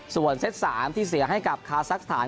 ส่วนเซต๓ที่เสียให้กับคาซักสถาน